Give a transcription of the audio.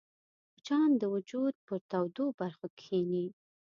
مچان د وجود پر تودو برخو کښېني